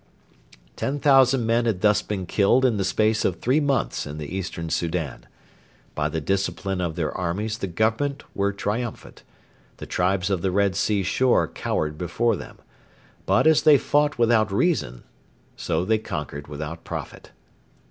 Ten thousand men had thus been killed in the space of three months in the Eastern Soudan. By the discipline of their armies the Government were triumphant. The tribes of the Red Sea shore cowered before them. But as they fought without reason, so they conquered without profit.